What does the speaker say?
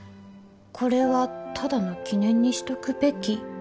これはただの記念にしとくべき？